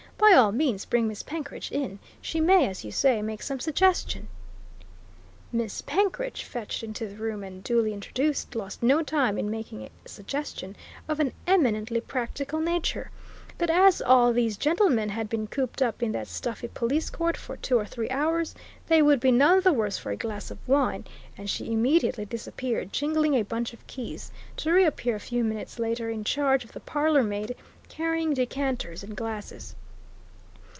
By all means bring Miss Penkridge in she may, as you say, make some suggestion." Miss Penkridge, fetched into the room and duly introduced, lost no time in making a suggestion of an eminently practical nature that as all these gentlemen had been cooped up in that stuffy police court for two or three hours, they would be none the worse for a glass of wine, and she immediately disappeared, jingling a bunch of keys, to reappear a few minutes later in charge of the parlour maid carrying decanters and glasses.